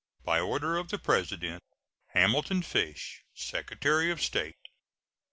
By order of the President: HAMILTON FISH, Secretary of State.